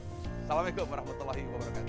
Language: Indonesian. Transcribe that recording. assalamu'alaikum warahmatullahi wabarakatuh